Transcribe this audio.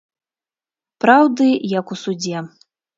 Праўды, як у судзе